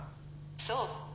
そう。